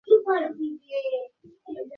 কিছুই কি হবে না?